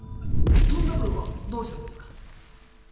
トン三郎はどうしたんですか？